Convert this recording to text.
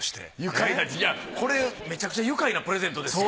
いやこれめちゃくちゃゆかいなプレゼントですよ。